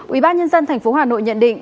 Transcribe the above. ubnd tp hà nội nhận định